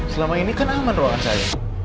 selama ini kan aman ruang saya